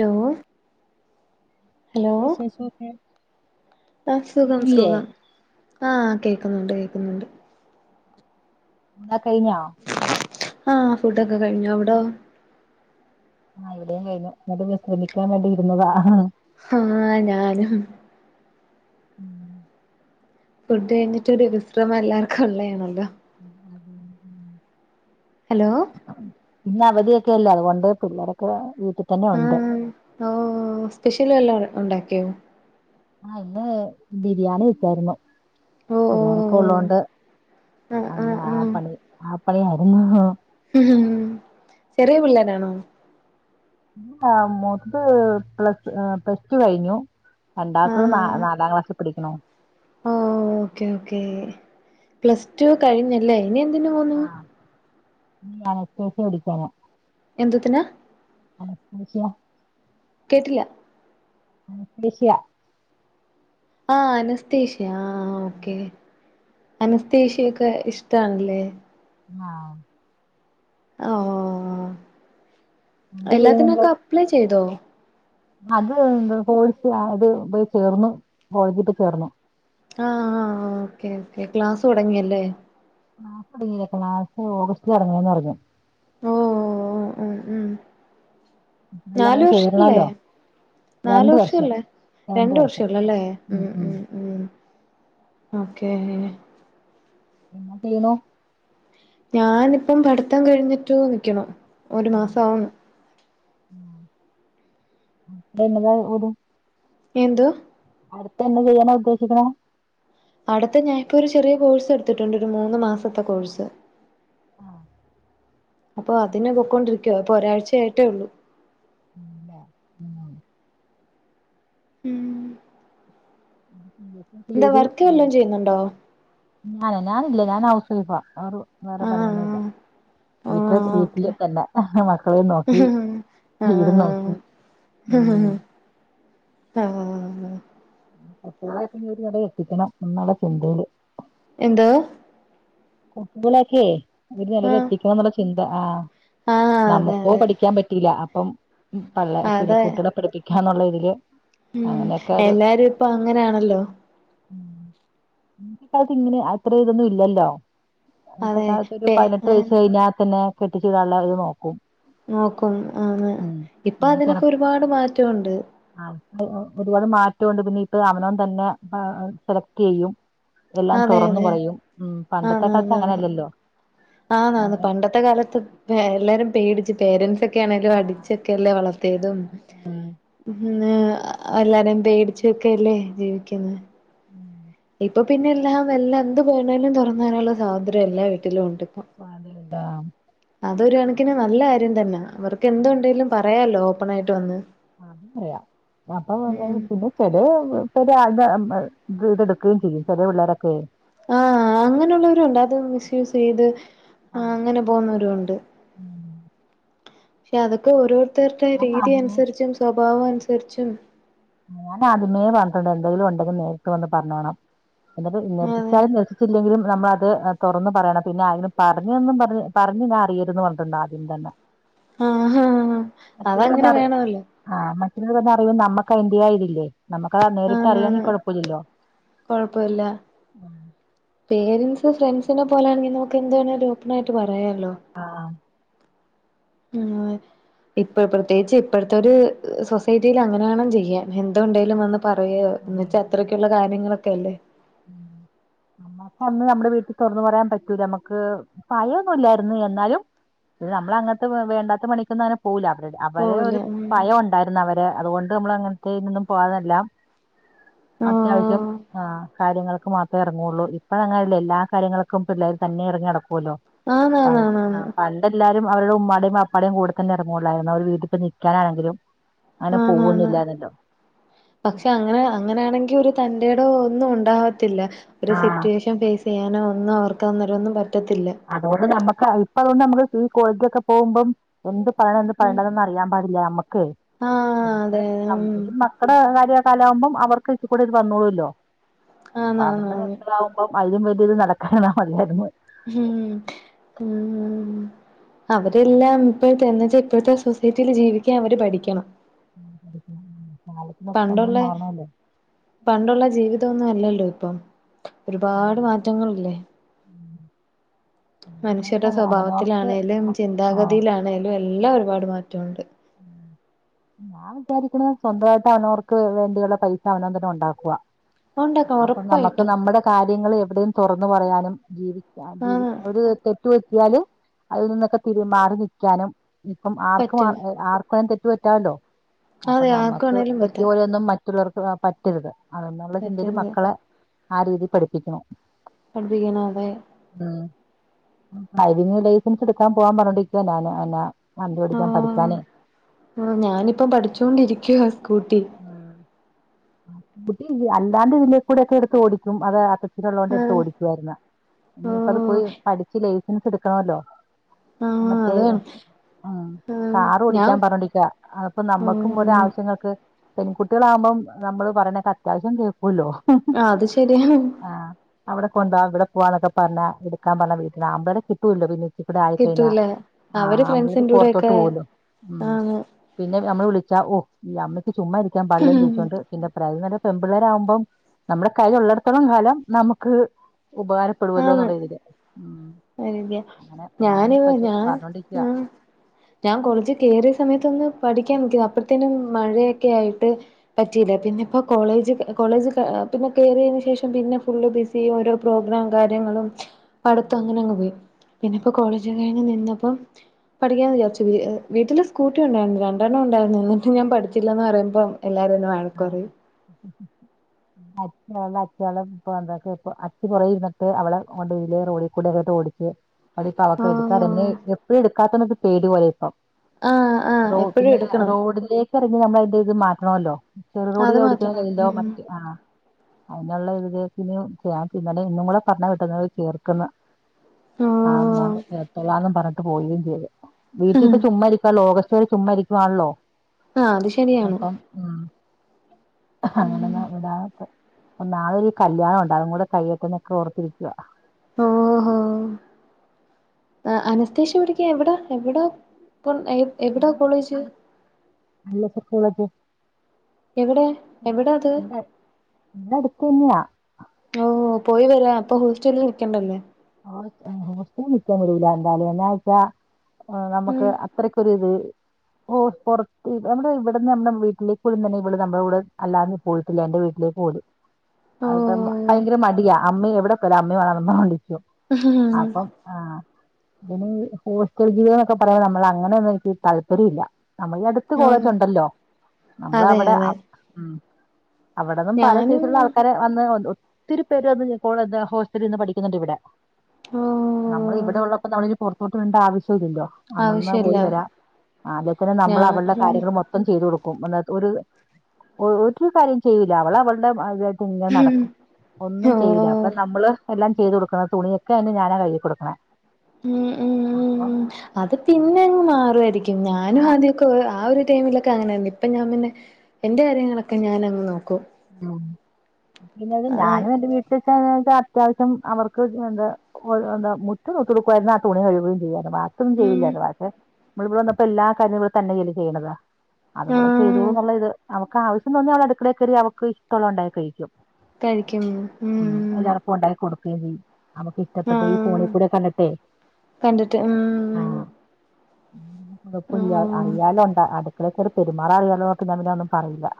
Law വിശേഷോക്കെ ആഹ്‌ സുഖം സുഖം ആഹ്‌ കേക്കുന്നൊണ്ട് കേക്കുന്നൊണ്ട് [unintelligible] കഴിഞ്ഞോ ആഹ്‌ ഫുഡക്ക കഴിഞ്ഞു അവിടോ? ആഹ്‌ ഇവിടേം കഴിഞ്ഞു എന്നിട്ട് വിശ്രമിക്കാൻ വേണ്ടിയിരുന്നതാ ഹാ ഞാനും ഫുഡ് കഴിഞ്ഞിട്ടൊര് വിശ്രമം എല്ലാവർക്കും ഒള്ളയാണല്ലോ [inaudible] ഹലോ ഇന്നവധിയൊക്കെല്ലേ അതുകൊണ്ട് പിള്ളേരൊക്കെ വീട്ടീതന്നെ ഒണ്ട് ഓഹ് സ്പെഷ്യല് വെല്ലതും ഒണ്ടാക്കിയോ ആഹ് ഇന്ന് ബിരിയാണി വെച്ചായ്രുന്നു ഓ ഓ പിള്ളാരൊക്ക ഓ ഒള്ളോണ്ട് ആഹ് ആഹ് അന്ന് ആ പണി ആ പണിയായിരുന്നു ചെറിയ പിള്ളേരാണോ ആഹ് മൂത്തത് പ്ലസ് ആഹ് പ്ലസ് ടു കഴിഞ്ഞു രണ്ടാമത്തത് നാലാ നാലാം ക്ലാസ്സിൽ പഠിക്കുന്നു ഓഹ് ഓക്കേ ഓക്കേ പ്ലസ് ടു കഴിഞ്ഞല്ലേ ഇനി എന്തിനു പോകുന്നു ഉം [unintelligible] എന്തത്തിനാ അനസ്ത്തേഷ്യ കേട്ടിൽ അനസ്തേഷ്യ ആഹ് അനസ്തേഷ്യ ആഹ് ഓക്കെ അനസ്തേഷ്യയൊക്കെ ഇഷ്ടാണല്ലേ? ആഹ് ആഹ് എന്ത് ചെയ്യുന്നു എല്ലാത്തിനും നിങ്ങള് ഒക്കെ അപ്ലൈ ചെയ്തോ? അത് ന്ത്‌ കോയ്സ് അത് പോയി ചേർന്ന് കോളെജ് പ്പ ചേർന്ന് ആഹ് ഓക്കേ ഓക്കേ ക്ലാസ്സ് തോടങ്ങിയല്ലേ? ക്ലാസോങ്ങീല ക്ലാസ്സ് ഓഗസ്റ്റില് തൊടങ്ങൂന്നറഞ്ഞു ഓ ഓ ഓ ഉം ഉം എല്ലാം നാല് കൂടെ വർഷംല്ലേ ചേരണമല്ലോ നാല് രണ്ട് വർഷം വർഷല്ലേ രണ്ട് വർഷം ഒള്ളല്ലേ ഉം ഉം ഉം ഓക്കെ [unintelligible] ഞാനിപ്പം പഠിത്തം കഴിഞ്ഞിട്ട് നിക്ക്ണു ഒരു മാസം ആവുന്നു [unintelligible] എന്ത്? അടുത്തന്നെ ചെയ്യാനാ ഉദ്ദേശിക്ക്ണെ? അടുത്ത ഞാന് ഇപ്പൊരു ചെറിയ കോഴ്സ് എട്ത്ത്ട്ട്ണ്ട് ഒരു മൂന്ന് മാസത്തെ കോഴ്സ് ആ, അപ്പൊ അതിന് പൊക്കൊണ്ടിരിക്കാ ഇപ്പൊരായ്ച്ച ആയിട്ടൊള്ളൂ ആഹ് ഉം [inaudible] എന്താ വർക്ക് വല്ലത്തും ചെയ്യുന്നുണ്ടോ? ഞാന് ഞാനില്ല ഞാന് ഹൗസ് വൈഫാ വേറ് വേറെ പണിയൊന്നുല്ല ആഹ് ആഹ് വീട്ടില് ഓക്കെ വീട്ടില് തന്നെ ആഹ് മക്കളെ നോക്കി വീടും നോക്കി ആഹ് ഉം ആഹ് [unintelligible] കെട്ടിക്കണം എന്നുള്ള ചിന്തയില് എന്തോ കുട്ടികളൊക്കെ ഒരു നെലെല് ആഹ് എത്തിക്കണം എന്നുള്ള ചിന്ത ആഹ് ആഹ് അതെ നമുക്കോ അതെ പഠിക്കാൻ പറ്റില്ല അപ്പം പള്ള പി അതെ കുട്ട്യാളെ പഠിപ്പിക്ക ക്കാന്നുള്ള തില് ഉം എല്ലാരും പ്പ അങ്ങനെ ആണല്ലോ [unintelligible] ഇത്രേം ഇതൊന്നും ഇല്ലല്ലോ ഇന്നത്തെ അതെ കാലത്തോരു പേ പതിനെട്ട് ആഹ് വയസ്സ് കഴിഞ്ഞാ തന്നെ കെട്ടിച്ച് വിടാള്ളത് നോക്കും നോക്കും ആഹ് ഉം ഇപ്പ അതിനൊക്കൊരുപാട് മാറ്റണ്ട് ആഹ് പ്പ ഒരുപാട് മാറ്റണ്ട് പിന്നെ ഇപ്പ അവനവൻ തന്നെ ആഹ് സെലക്ട് ചെയ്യും എല്ലാം അതെ തോറന്നു അതെ പറയും ഉം പണ്ടത്തെ ആന്ന് ആന്ന് കാലത്ത് അങ്ങനെ ആന്ന് അല്ലല്ലോ ആന്നാന്ന് പണ്ടത്തെ കാലത്ത് എല്ലാരും പേടിച്ച് പേരൻസ് ക്കെണെലും ആ അടിച്ചൊക്കെല്ലേ വളർത്തിയതും ഉം അന്ന് എല്ലാരെയും പേടിച്ചൊക്കെയല്ലേ ജീവിക്കുന്നേ ഉം ഇപ്പൊ പിന്നെ എല്ലാം എല്ലാ എന്ത് വേണേലും തുറന്ന് പറയാനുള്ള സ്വതന്ത്ര്യം എല്ലാ വീട്ടിലും ഉണ്ട് [unintelligible] അത് ഒരു കണക്കിന് നല്ല കാര്യം തന്നാ അവർക്ക് എന്തുണ്ടേലും പറയാലോ ഓപ്പണായിട്ട് വന്ന് ആഹ് അത് പറയാ അപ്പൊ ഉം [unintelligible] ചെലേ ഇപ്പോ രാവിലെ വീട് എടുക്കുകയും ചെയ്യും ചെല പിള്ളേരൊക്കെയേ ആഹ് അങ്ങനെയുള്ളവരുമുണ്ട് അത് മിസ്യൂസ് ചെയ്ത് ആ ആഹ് അങ്ങനെ പോന്നോരുമുണ്ട് പക്ഷെ അതൊക്കെ ഓരോരുത്തരുടെ ഞാൻ രീതി ആദ്യമേ അനുസരിച്ചും സ്വഭാവം അനുസരിച്ചും ഞാൻ ആദ്യമേ പറഞ്ഞിട്ടുണ്ട് എന്തെങ്കിലും ഉണ്ടെങ്കിൽ നേരിട്ട് വന്ന് പറഞ്ഞോണം എന്നിട്ട് അതെ നിരസിച്ചാലും നർസിച്ചില്ലെങ്കിലും നമ്മളത് തുറന്ന് പറയണം പിന്നെ അതിന് പറഞ്ഞന്നും പറഞ്ഞ് പറഞ്ഞ് ഞാൻ അറിയരുതന്ന് പറഞ്ഞിട്ടുണ്ട് ആദ്യം തന്നെ ആഹാ മറ്റുള്ളവരിൽ നിന്ന് അതങ്ങനെ അറി വേണമല്ലോ ആ മറ്റുള്ളവരിൽ നിന്നറിയുമ്പോ നമ്മ ക്കാ അതിന്റെ ആ ഇതില്ലേ നമ്മക്കാ നേരിട്ട് ആന്നാണ് അറിയാങ്കിൽ കുഴപ്പവില്ലല്ലോ പേരെന്റ്സ് ഫ്രണ്ട്സിനെ പോലെ ആണെങ്കി നമ്മക്ക് എന്ത് വേണേലും ഓപ്പണായിട്ട് പറയാല്ലോ ആഹ് ആഹ് ഇപ്പ പ്രത്യേകിച്ച് ഇപ്പഴത്തെ ഒരു സൊസൈറ്റിയില് അങ്ങനെ വേണം ചെയ്യാൻ എന്തുണ്ടേലും വന്ന് പറയുവോ എന്ന് വച്ചാ പറയണം അത്രക്കുള്ള കാര്യങ്ങളൊക്കെ അല്ലേ നമ്മക്ക് അന്ന് നമ്മുടെ വീട്ടിൽ തുറന്ന് പറയാൻ പറ്റൂല നമ്മുക്ക് ഭയം ഒന്നുമില്ലായിരുന്നു എന്നാലും ഇത് നമ്മളങ്ങനത്തെ വേണ്ടാത്ത പണിക്കൊന്നും അങ്ങനെ പോവൂല്ല അവര അവരെ പോവില്ല ഒരു ഭയം ഉണ്ടായിരുന്നു അവര് അതുകൊണ്ട് നമ്മൾ അങ്ങനത്തെ ഇതിനൊന്നും പോവതില്ല അത്യാവശ്യം ആഹ് ആഹ് കാര്യങ്ങൾക്ക് മാത്രമേ ഇറങ്ങുവുള്ളൂ ഇപ്പൊ അങ്ങനെയല്ല എല്ലാ കാര്യങ്ങൾക്കും പിള്ളേര് തന്നെ ഇറങ്ങി നടക്കൂല്ലോ അതെ ആ ആന്നാന്നാന്നാന്ന് [unintelligible] അപ്പോ എല്ലാവരും അവരുടെ ഉമ്മാടെയും ബാപ്പാടെയും കൂടെ തന്നെ ഇറങ്ങൂള്ളായിരുന്നു അവരുടെ വീട്ടിൽ പോയി നിക്കാനാണെങ്കിലും ആണ് ആണ് പക്ഷെ അങ്ങനെ അങ്ങനാണെങ്കി ഒരു തന്റേടവോ ഒന്നും ഉണ്ടാവ ത്തില്ല ഒരു ആ സിറ്റുവേഷൻ ഫേസ് ചെയ്യാനോ ഒന്നും അവർക്ക് അന്നേരം ഒന്നും പറ്റത്തില്ല അതുകൊണ്ട് നമ്മുക്ക് ഇപ്പളൊന്നും നമ്മക്ക് കോളേജിലൊക്കെ പോകുമ്പം എന്ത് പറയണം എന്ത് ഉം പറയണ്ടാന്നൊന്നും അറിയാൻ പാടില്ല നമ്മക്ക് ആ അതെ ഉം മക്കടെ കാര്യ കാല ആകുമ്പോം അവർക്ക് ഇച്ചരെയും കൂടി ഇത് വന്നോളൂല്ലോ അപ്പ ആന്ന് ആന്ന് അവരുടെ ആന്ന് [unintelligible] അപ്പം അതിലും വലിയത് നടക്കാനാ ഒള്ളായിരുന്നു ഉം ഉം അവരെല്ലാം ഇപ്പോഴത്തെ എന്ന് വെച്ചാ ഇപ്പഴത്തെ സൊസൈറ്റിയില് ജീവിക്കാൻ അവര് പഠിക്കണം കാലത്തിനൊപ്പം നമ്മളും പണ്ടുള്ള മാറണോല്ലോ പണ്ടുള്ള ജീവിതം ഒന്നും അല്ലല്ലോ ഇപ്പം ഒരുപാട് അതല്ല മാറ്റങ്ങൾ ഇല്ലേ സ്വന്തമായിട്ട് മനുഷ്യരുടെ അവനവർക്ക് സ്വഭാവത്തിലാണേലും ആഹ് ചിന്താഗതിയിലാണേലും എല്ലാം ഒരുപാട് മാറ്റമുണ്ട് ഞാൻ വിചാരിക്കുന്നത് സ്വന്തമായിട്ട് അവനവർക്ക് വേണ്ടിയുള്ള പൈസ അവനവൻ തന്നേ ഉണ്ടാക്കുക ഉണ്ടാക്കാം അപ്പൊ നമുക്ക് ഉറപ്പായിട്ടും നമ്മടെ കാര്യങ്ങൾ എവിടെയും തുറന്നു പറയാനും ജീവിക്കാൻ ആന്ന് ഒരു തെ റ്റ് പറ്റിയാല് അതിൽ നിന്നൊക്കെ ഇത്തിരി മാറി നിക്കാനും ഇപ്പം ആർക്കും പറ്റും ആർക്കും തെറ്റ് പറ്റാല്ലോ അപ്പൊ അതെ ആർക്ക് നമ്മുക്ക് വേണേലും പറ്റാം പറ്റിയപോലെ ഒന്നും മ മറ്റുള്ളവർക്ക് അങ്ങനെ പറ്റരുത് അതെന്നുള്ള ചിന്തയില് പറ്റരുത് മക്കളെ ആ രീതിയിൽ പഠിപ്പിക്കണം പഠിപ്പിക്കണം അതെ ആഹ് അതിനിടയില് ലൈസൻസ് എടുക്കാൻ പോവാൻ പറഞ്ഞോണ്ടിരിക്കുവ ഞാൻ എന്നാ വണ്ടി ഓടിക്കാൻ പഠി ആഹ് ഞാനിപ്പം പഠിച്ചോണ്ടിരിക്കുവാ സ്കൂട്ടി അല്ലാണ്ട് ഇതിലേ കൂടെ ഒക്കെ എടുത്ത് ഓടിക്കും അത് ആ ഇത്ള്ളോണ്ടെട്ത്ത് ഓടിക്കുവാര്ന്ന്. ഓ ഇനിയിപ്പം അത് പോയി പഠിച്ച് ലൈസൻസ് ഇട്ക്കണമല്ലോ. ആ മറ്റേ അതാണ് ഉം ആ കാറ് ഞാൻ ഓടിക്കാൻ പർഞ്ഞോണ്ടിക്കാ. അപ്പം നമ്മക്കും ഒരോ ഉം ആവശ്യങ്ങൾക്ക് പെൺകുട്ടിയാളാവുമ്പം നമ്മള് പറയണക്കെ അത്യാവശ്യം കേൾക്കൂല്ലോ ആഹ് അത് ശരിയാ. ആഹ് അവിടെ കൊണ്ടോവാ ഇവിടെ പോവാന്നൊക്കെ പർഞ്ഞാ എട്ക്കാൻ പർഞ്ഞ വീട്ടിന്ന് ആമ്പേരെ കിട്ടൂല്ലോ പിന്നെ ഇവിടെ ആയിക്കഴിഞ്ഞാ കിട്ടൂല അവര് ആഹ് ആമ്പിള്ളേര് ഫ്രണ്ട്സിന്റെ പൊർത്തോട്ട് കൂടെയൊക്കെ പോവല്ലോ ഉം ആണ് പിന്നെ നമ്മള് വിളിച്ചാ ഓ ഈ അമ്മയ്ക്ക് ചുമ്മാ ഇരിക്കാൻ പാടില്ലേന്ന് ചോയ്ച്ചോണ്ട് പിന്നെ [unintelligible] പെമ്പിള്ളേരാകുമ്പം നമ്മുടെ കയ്യില് ഉള്ളിടത്തോളം കാലം നമുക്ക് ഉപകാര ആന്ന് എനിക്ക് അങ്ങനെ ഞാന് ഞാനിപ്പ ഞാൻ പറഞ്ഞോണ്ടിരിക്കുവാ ആഹ് ഞാൻ കോളേജി കേറിയ സമയത്തൊന്ന് പഠിക്കാൻ നോക്കി. അപ്പഴ്ത്തേനും മഴയൊക്കെ ആയിട്ട് പറ്റിയില്ല പിന്നിപ്പം കോളേജ് കോളേജ് പിന്നെ കേറിയതിന് ശേഷം പിന്നെ ഫുള്ള് ബിസി ഓരോ പ്രോഗ്രാം കാര്യങ്ങളും പഠിത്തവും അങ്ങനങ്ങ് പോയി. പിന്നെ ഇപ്പോ കോളേജ് കഴിഞ്ഞ് നിന്നപ്പം പഠിക്കാന്ന് വിചാര്ച്ച് വീട്ടില് സ്കൂട്ടി ഉണ്ടായിരുന്നു. രണ്ടെണ്ണം ഉണ്ടായ്രുന്നു എന്നിട്ടും ഞാൻ പഠിച്ചില്ലാന്ന് പറയുമ്പം എല്ലാരും എന്നെ വഴക്കു പറയും. ആഹ് [unintelligible] കൊറേരുന്ന്ട്ട് അവളെ കൊണ്ട് [unintelligible] റോഡികൂടൊക്കെണ്ട് ഓടിച്ച് അതിപ്പം അവക്ക് ആഹ് [unintelligible] എപ്പഴും എടുക്കാത്തത് കൊണ്ട് പേടി പോലെ ഇപ്പം ആഹ് ആഹ് എപ്പഴും റോഡിലേ എടുക്കണം റോഡിലേക്ക് എറങ്ങി നമ്മള് അയ്ന്റെ ഇത് മാറ്റണമല്ലോ ചെറു റോഡി അത് ഓടിക്കാൻ മാറ്റണം കഴിയില്ലോ ഉം മറ്റേ ആഹ് അയ്നുള്ള [unintelligible] ഇന്നും കൂടെ പർഞ്ഞാ വിട്ടത്. [unintelligible] ആഹ് ഞാൻ എപ്പഴാന്നും പറഞ്ഞിട്ട് പോവുകയും ചെയ്ത് വീട്ടി ഇപ്പം ചുമ്മായിരിക്കുവാണല്ലോ. ഓഗസ്റ്റ് വരെ ചുമ്മായിരിക്കുവാണല്ലോ ആഹ് അത് ശരിയാണ് അപ്പം ഉം ഉം അങ്ങനെന്നാ വിടാ ഒക്കെ നാളെ ഒരു കല്യാണം ഉണ്ട്. അതും കൂടി കഴിയട്ടെ എന്നൊക്കെ ഓർത്തിരിക്കുവാ ഓഹോ അനസ്തേഷ്യ പഠിക്കാൻ എവിടാ എവിടാ പ്പം ഏ [unintelligible] ഇവിടെ വിടെ എവിടെ എവിടാ അത് അടുത്തന്നെയാ ഓഹ് പോയി വരാം അപ്പൊ ഹോസ്റ്റലിൽ നിൽക്കണ്ടല്ലേ ഹോസ്റ്റലി നിക്കാൻ വിടൂല എന്തായാലും എന്നാ വെച്ചാ നമുക്ക് ഉം അത്രക്കൊരു ഇത് ഓഹ് പൊർത്ത് നമ്മടെ ഇവിടെന്ന് നമ്മുടെ വീട്ടിലേക്ക് വിടുന്നന്നെ ഇവള് നമ്മുടെ കൂടെ അല്ലാതെ പോയിട്ടില്ല എന്റെ വീട്ടിലേക്ക് പോലും ഓ അത് ഭയങ്കര മടിയാ അമ്മ എവിടെ പോയാലും അമ്മയും വേണം എന്ന് വിളിക്കും അപ്പം [inaudible] പിന്നെ ഈ ഹോസ്റ്റൽ ജീവിതം എന്നൊക്കെ പറയാ നമ്മള് അങ്ങനെയൊന്നും എനിക്ക് താല്പര്യമില്ല നമ്മള് അടു ത്ത് ഓ കോളേജ് ഉണ്ടല്ലോ നമ്മള് അതെ അവിടെ അതെ ഉം അവിടെന്നും പല സൈസ് ഞാനും ഉള്ള ആൾക്കാര് വന്ന് ഒത്തിരി പേര് വന്ന് ഹോസ്റ്റലിൽ നിന്ന് പഠിക്കുന്നുണ്ട് ഇവിടെ ഓ നമ്മള് ഇവിടെ ഉള്ളപ്പം നമ്മളിനി പൊർത്തോട്ട് വിടണ്ട ആവശ്യം ഇല്ലല്ലോ. അന്നന്ന് പോയി ആവശ്യല്ല വരാം. അല്ലേ പിന്നെ നമ്മള് അവളെ ഞാൻ കാര്യങ്ങൾ മൊ ത്തം ചെയ്തു കൊടുക്കും [unintelligible] ഒരു കാര്യവും ചെയ്യില്ല അവള് അവൾടെ എഹ് ഇതാ യിട്ട് ഇങ്ങെ നടക്കും ഒന്നും ചെയ്യില്ല ഓ അപ്പം നമ്മള് എല്ലാം ചെയ്ത് കൊടുക്കണം തുണിയൊക്കെ അതുകൊണ്ട് ഞാനാ കഴുകി കൊടുക്കണെ ഉം ഉം ഉം അത് പിന്നെ അങ്ങ് മാറുവായിരിക്കും ഞാനും ആ ആദ്യ ക്കെ ആ ഒരു ടൈമിലൊക്കെ അങ്ങനെ തന്നെ ഇപ്പം ഞാൻ പിന്നെ എന്റെ കാര്യങ്ങളൊക്കെ ഞാനങ്ങ് നോക്കും ഉം പിന്നത് ആ ഞാനും എന്റെ വീട്ട് ക്കാവാണ്ച്ച അത്യാവശ്യം അവർക്ക് എന്താ എന്താ മുറ്റം തൂത്ത് കൊടുക്കുവാരുന്ന് ആഹ് തുണി കഴുകുവേം ചെയ്യുവാരുന്ന് ബാ ക്കി ഒന്നും ഉം ചെയ്യുലാര്ന്നു അപ്പൊ [unintelligible] വന്നപ്പോ എല്ലാ കാര്യങ്ങളും തന്നെ ചെയ്ത് ചെയ്യണതാ അതുകൂടെ ആഹ് ചെയ്തൂന്ന്ള്ള ഇത് അവക്ക് ആവശ്യം തോന്നി അവള് അടുക്കളേ കറി അവക്ക് ഇഷ്ടവുള്ള ഇണ്ടായി കഴിക്കും കഴിക്കും ഉം ക്ക്‌ ഒണ്ടാക്കി കൊടുക്കേം ചെയ്യും അവക്ക് ഇ ഷ്ടപ്പെട്ട് ഈ ആഹ് ഫോണികൂടെ കണ്ടിട്ടെ കണ്ടിട്ട് ഉം ആഹ് കുഴപ്പുല്ല അറിയാലോ എന്താ അടുക്കളേ കേറി പെരുമാറാറിയാലോ എന്നോർത്ത് ഞാൻ പിന്ന ഒന്നും പറയില്ല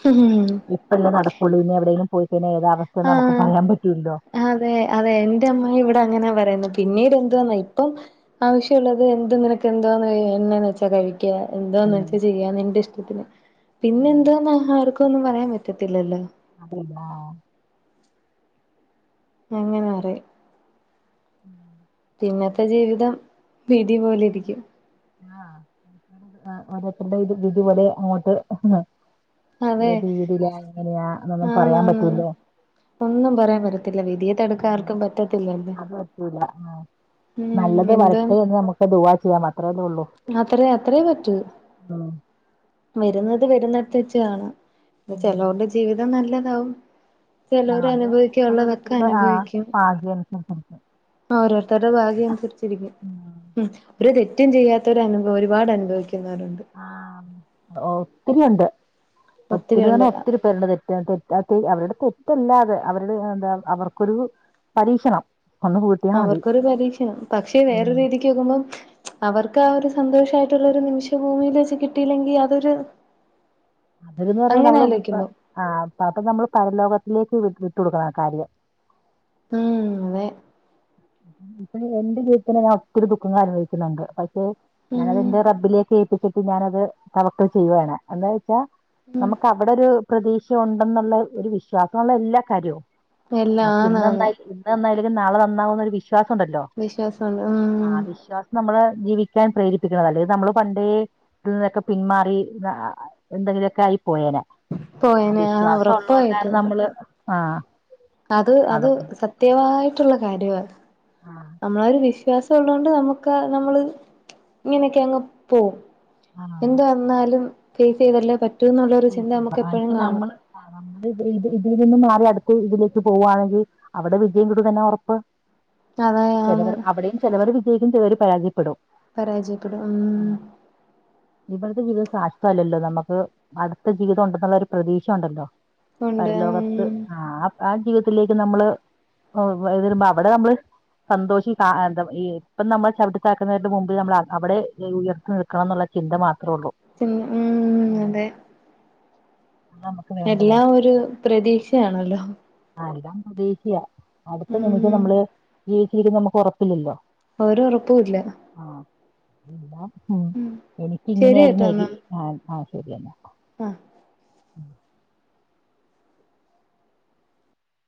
ഹും ഹും ഇപ്പല്ലേ നടക്കൊള്ളൂ ഇനി എവിടെങ്കിലും പോയികഴിഞ്ഞാ ഏതാവസ്ഥയെന്ന് നമുക്ക് ആഹ് പറയാൻ പറ്റില്ലലോ അതെ അതെ എന്റെ അമ്മ ഇവിടെ അങ്ങനെയാ പറയുന്ന് പിന്നീട് എന്ത് വന്നാ ഇപ്പം ആവശ്യം ഉള്ളത് എന്തും നിനക്കെന്താ വേണന്നെച്ചാ കഴി ക്ക എന്താന്ന് ഉം. വെച്ചാചെയ്യാ നിന്റെ ഇഷ്ടത്തിന് പിന്നെ ഉം. എന്താന്ന് ആ ആർക്കൊന്നും പറയാൻ പറ്റത്തില്ലല്ലോ അതില്ലാ അങ്ങനെപറിം ഉം പിന്നത്തെ ജീവിതം വിധിപോലെ ഇരിക്കും ആഹ് ആഹ് ഓരോര്ത്തരുടെ വിധി വിധി പോലെ അങ്ങോട്ട് അതെ ഏത് രീതിലാ എങ്ങനെയാ എന്നൊന്നും ആന്ന് പറയാൻ ആന്ന് പറ്റൂല്ലെ ഒന്നും പറയാൻ പറ്റത്തില്ല വിധിയെ തടുക്കാൻ ഉം. ആർക്കും പറ്റത്തില്ലല്ലാ അത് പറ്റൂല ആ. ഉം നല്ലത് എന്ത വരട്ടെ എന്ന് നമുക്ക് ദുവാ ചെയ്യാം അത്രയല്ലേ ഉള്ളൂ അത്ര അത്രയേ പറ്റൂ ഉം വരുന്നത് വരുന്നട്ത്ത് വെച്ച് കാണാം ന്നെ ഉം. ചെലോര്ടെ ജീവിതം നല്ലതാവും ആ, ചെലോര് അനുഭവിക്കാനുള്ളതൊക്കെ അനുഭവിക്കും അത്യന്നെ ഓരോരുത്തരുടെ ഭാഗ്യം അനുസരിച്ചിരിക്കും ഉം ഒരു തെറ്റും ചെയ്യാത്തവര് അനുഭ ഒരുപാട് അനുഭവിക്കുന്നവരുണ്ട് ആഹ് ഉം ഒ ഒത്തിരി ഉണ്ട് ഒത്തിരിയുണ്ട് ഒത്തിരിന്നറഞ്ഞ ഒത്തിരി തവരുടെ തെറ്റ് തെ അ ത് അവരുടെ തെറ്റല്ലാതെ അവരുടെ എന്താ അവർക്കൊരു പരീക്ഷണം ഒന്ന് കൂട്ടിയാൽ മതി അവർക്കൊരു പരീക്ഷണം പക്ഷെ വേറൊരു ഉം. രീതിക്ക് നോക്കുമ്പം അവർക്ക് ആ ഒരു സന്തോഷമായിട്ടുള്ള ഒരു നിമിഷം ഭൂമിയിൽ വെച്ച് കിട്ടിയില്ലെങ്കി അതൊരു അത് പിന്നെ പറയുമ്പോ അങ്ങനെ നമ്മള് ഇ ആലോചിക്കുമ്പോ ആഹ് അപ്പ അപ്പൊ നമ്മള് പരലോകത്തിലേക്ക് വി വിട്ട് കൊടുക്കണം ആകാര്യം ഉം അതെ ഇപ്പൊ എന്റെ ജീവിതത്തില് ഞാൻ ഒത്തിരി ദുഖങ്ങൾ അനുഭവിക്കുന്നുണ്ട് പക്ഷെ ഉം ഞാനതെന്റെ റബ്ബിലേക്ക് എത്തിച്ചിട്ട് ഞാനത് തവക്കൽ ചെയ്യാണ് എന്താന്നെച്ചാ നമ്മക്ക അവിടെ ഒരു പ്രതീക്ഷ ഉണ്ടെന്നുള്ള ഒരു വിശ്വാസം ങ്ങളെ എല്ലാ കാര്യവും എല്ലാം ആഹ് പിന്നെ ആന്നാന്ന് എന്തായി ഇന്ന് നന്നായില്ലെങ്കിലും നാളെ നന്നാവുന്നൊരു വിശ്വാസണ്ടല്ലോ വിശ്വാസമുണ്ട് ആഹ് ആ ഉം വിശ്വാസ നമ്മളെ ജീവിക്കാൻ പ്രേരിപ്പിക്കുന്നത് അല്ലെ നമ്മൾ പണ്ടേ ഇതിൽ നിന്നൊക്കെ പിന്മാറി ആ എന്തെങ്കിലുമൊക്കെ ആയി പോയേനെ ആ പോയനെ വിശ്വാസം ഉള്ളോണ്ടാണ് ഉറപ്പായിട്ടും നമ്മള് ആഹ് അത് അത് സത്യമായിട്ടുള്ള കാര്യമാണ് ആ നമ്മളൊരു വി ഗ്യാസ് ഉള്ളൊണ്ട് നമുക്ക് നമ്മള് ഇങ്ങനെയൊക്കെ അങ്ങ് പോകും ആ എന്താ എന്നാലും ഫേസ് ചെയ്തല്ലേ പറ്റൂ എന്നുള്ളരു ചിന്ത സൈസ്. നമുക്ക് ആ എപ്പോഴും ഇപ്പൊ കാണും നമ്മള് ആ നമ്മള് ഇത് ഇതിൽ നിന്നും മാറി അടുക്ക ഇതിലേക്ക് പോവുവാണെങ്കിൽ അവിടെ വിജയം കിട്ടു തന്നെ ഉറപ്പ് അതാ ആന്ന് ചിലവർ അവിടെയും ചിലവർ വിജയിക്കും ചിലവര് പരാജയപ്പെടും പരാജയപ്പെടും ആഹ് ആഹ് ഉം. ഇവിടുത്തെ ജീവിത സാശ്വല്ലല്ലോ നമുക്ക് അടുത്ത ജീവിതം ഉണ്ടെന്നുള്ള ഒരു പ്രതീക്ഷ ഉണ്ടല്ലോ ഉണ്ട് ഉം പരലോകത്ത് ആ ആ ജീവിതത്തിലേക്ക് നമ്മള് ഓ ഇത് തരുമ്പോ അവിടെ നമ്മള് സന്തോഷി കാ ഏ ന്താ ഇ ഇപ്പം നമ്മൾ ചവിട്ടി താഴ്ത്തുന്നവരുടെ മുമ്പിൽ നമ്മൾ അ അവെടെ ഉയർത്തി നിൽ ക്കണം എന്നുള്ള ചിന്ത മാത്രേ ഒള്ളൂ പിന്നെ ഉം അതെ ആതാണ് എല്ലാം ഒരു പ്രതീക്ഷയാണല്ലോ ആ എല്ലാം പ്രതീക്ഷയാ അടുത്ത നിമിഷം ഉം നമ്മള് ജീവിച്ചിരിക്കും നമുക്ക് ഉറപ്പില്ലല്ലോ ഒര് ഒറപ്പൂ ഇല്ല ആഹ് എല്ലാം ഉം എനിക്ക് ശരി ഇങ്ങനെയായിരുന്നു കേട്ടോ ഏ കി എന്നാ ആഹ് ശരിയെന്നാ ആഹ് ഉം